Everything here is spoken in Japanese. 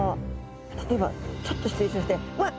例えばちょっと失礼しましてわっ！